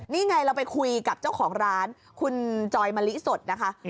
นี่ไงเราไปคุยกับเจ้าของร้านคุณจอยมะลิสดนะคะ